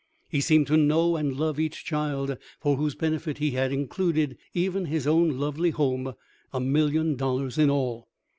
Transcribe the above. He seemed to know and love each child, for whose benefit he had included even his own lovely home, a million dollars in all.